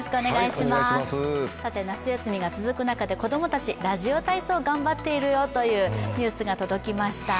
夏休みが続く中で子供たちラジオ体操頑張っているよというニュースが届きました。